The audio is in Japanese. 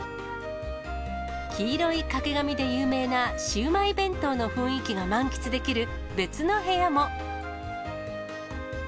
黄色い掛け紙で有名なシウマイ弁当の雰囲気が満喫できる別の部屋も。